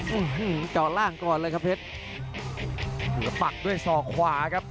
อื้อหือจังหวะขวางแล้วพยายามจะเล่นงานด้วยซอกแต่วงใน